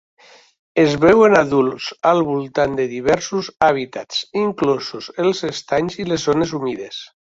Es veuen adults al voltant de diversos hàbitats, inclosos els estanys i les zones humides.